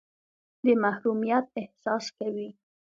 د محرومیت احساس کوئ.